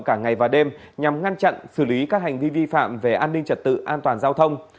cả ngày và đêm nhằm ngăn chặn xử lý các hành vi vi phạm về an ninh trật tự an toàn giao thông